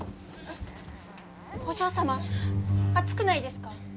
お嬢様熱くないですか？